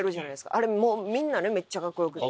あれもうみんなめっちゃカッコ良くて。